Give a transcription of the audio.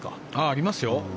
ありますよ。